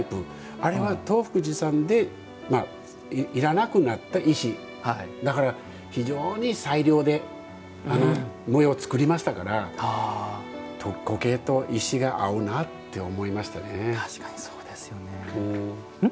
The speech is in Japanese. あれは東福寺さんで要らなくなった石最良で模様を作りましたから苔と石が合うなって思いましたね。